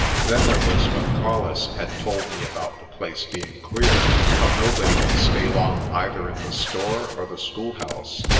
Then there was what Colles had told me about the place being queer, how nobody would stay long either in the store or the schoolhouse.